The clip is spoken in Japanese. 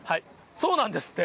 そうなんですって。